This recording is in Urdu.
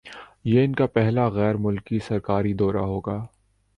یہ ان کا پہلا غیرملکی سرکاری دورہ ہوگا